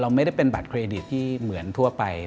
ไม่ได้เป็นบัตรเครดิตที่เหมือนทั่วไป